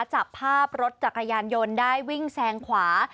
จับภาพรถจักรยานยนต์ได้วิ่งแซงขวา